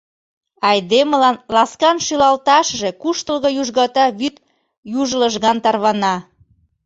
Айдемылан ласкан шӱлалташыже куштылго южгата вӱд юж лыжган тарвана.